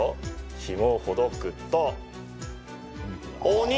ひもをほどくと、お肉。